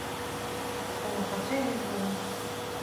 Аколнхацәа еизон.